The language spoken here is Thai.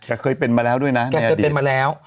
แต่เคยเป็นมาแล้วด้วยนะแต่เคยเป็นมาแล้ว